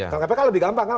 karena kpk lebih gampang kan